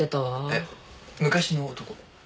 え昔の男？